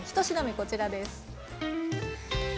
１品目こちらです。